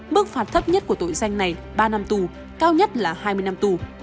bức phạt thấp nhất của tội danh này là ba năm tù cao nhất là hai mươi năm tù